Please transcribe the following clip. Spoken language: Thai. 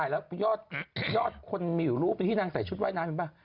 แล้วยอดคนมีอยู่รูปที่นางใส่ชุดว่ายน้ำเห็นป่ะ